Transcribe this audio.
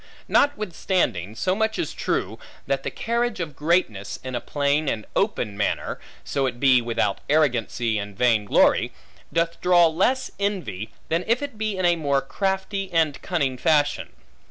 Notwithstanding, so much is true, that the carriage of greatness, in a plain and open manner (so it be without arrogancy and vain glory) doth draw less envy, than if it be in a more crafty and cunning fashion.